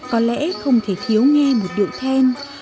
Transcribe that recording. có lẽ không thể thiếu nghe một điệu thên này